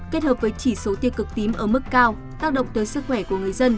kết hợp với chỉ số tiêu cực tím ở mức cao tác động tới sức khỏe của người dân